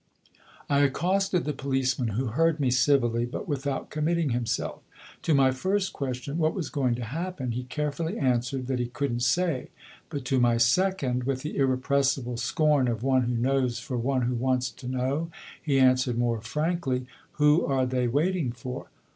I accosted the policeman, who heard me civilly but without committing himself. To my first question, what was going to happen? he carefully answered that he couldn't say, but to my second, with the irrepressible scorn of one who knows for one who wants to know, he answered more frankly, "Who are they waiting for?